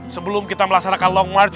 sebelum kita melaksanakan long march